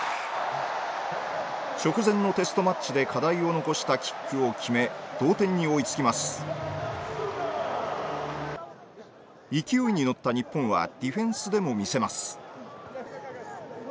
直前のテストマッチで課題を残したキックを決め同点に追いつきます勢いに乗った日本はディフェンスでも見せます